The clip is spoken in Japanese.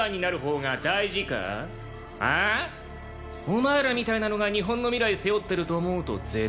お前らみたいなのが日本の未来背負ってると思うと絶望だわ。